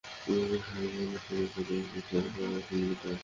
মিছিলটি শহরের বিভিন্ন সড়ক ঘুরে একই স্থানে এসে সমাবেশে মিলিত হয়।